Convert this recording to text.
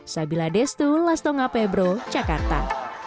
sabila destu lastonga pebro jakarta